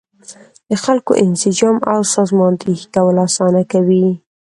د خلکو انسجام او سازماندهي کول اسانه کوي.